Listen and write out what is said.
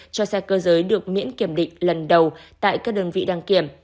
cho xe cơ giới được miễn kiểm định lần đầu tại các đơn vị đăng kiểm